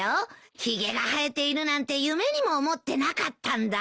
ひげが生えているなんて夢にも思ってなかったんだ。